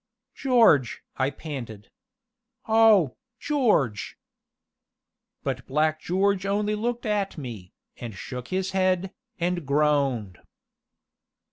"George!" I panted. "Oh, George!" But Black George only looked at me, and shook his head, and groaned.